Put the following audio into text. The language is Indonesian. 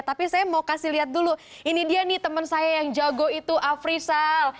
tapi saya mau kasih lihat dulu ini dia nih teman saya yang jago itu afrisal